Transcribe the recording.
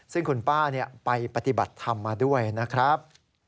ซึ่งคุณป้าไปปฏิบัติธรรมมาด้วยนะครับ